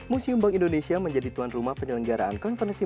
museum bank indonesia menjadi tuan rumah penyelenggaraan konferensi